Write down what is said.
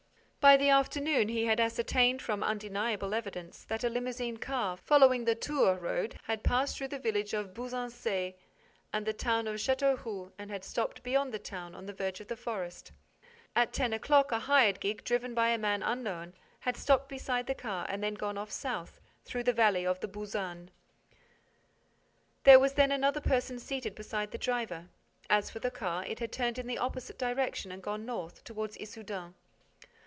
By the afternoon, he had ascertained, from undeniable evidence, that a limousine car, following the Tours road, had passed through the village of Buzancais and the town of Châteauroux and had stopped beyond the town, on the verge of the forest. At ten o'clock, a hired gig, driven by a man unknown, had stopped beside the car and then gone off south, through the valley of the Bouzanne. There was then another person seated beside the driver. As for the car, it had turned in the opposite direction and gone north, toward Issoudun.